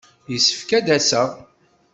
Yessefk ad d-aseɣ.